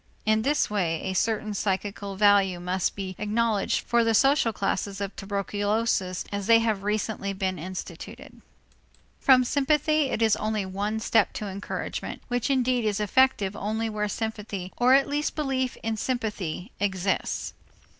In this way a certain psychical value must be acknowledged for the social classes of tuberculosis as they have recently been instituted. From sympathy it is only one step to encouragement, which indeed is effective only where sympathy or at least belief in sympathy exists.